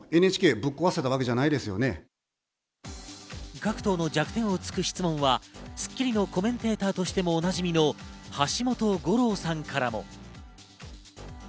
各党の弱点を突く質問は『スッキリ』のコメンテーターとしてもおなじみの橋本五郎さんからも。